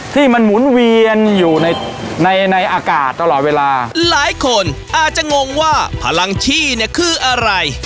ที่มันหมุนเวียนอยู่ในในอากาศตลอดเวลาหลายคนอาจจะงงว่าพลังชี่เนี่ยคืออะไร